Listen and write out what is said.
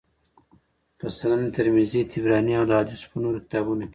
په سنن ترمذي، طبراني او د احاديثو په نورو کتابونو کي